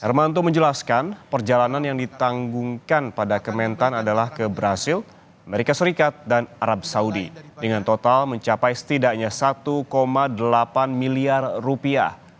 hermanto menjelaskan perjalanan yang ditanggungkan pada kementan adalah ke brazil amerika serikat dan arab saudi dengan total mencapai setidaknya satu delapan miliar rupiah